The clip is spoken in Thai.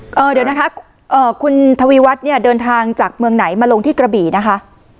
เดี๋ยวนะคะคุณทวีวัดเดินทางจากเมืองไหนมาลงที่กระบีนะคะ